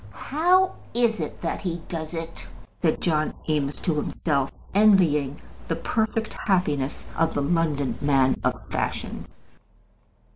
"How is it that he does it?" said John Eames to himself, envying the perfect happiness of the London man of fashion.